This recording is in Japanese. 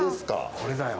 これだよ。